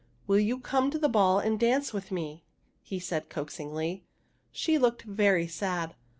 '' Will you come to the ball and dance with me ?" he asked coaxingly. She looked very sad.